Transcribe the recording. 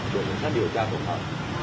đội xã điều tra công an